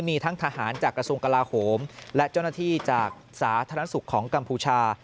มีทั้งทหารจากกระทรวงกลาโหมและเจ้าหน้าที่จากสาธารณสุขของกัมพูชา